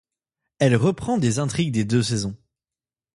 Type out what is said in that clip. Elle reprend des intrigues des deux saisons.